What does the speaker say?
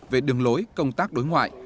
về đường lối công tác đối ngoại